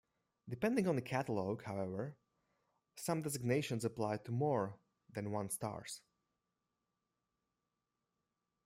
Depending on the catalogue, however, some designations apply to more than one stars.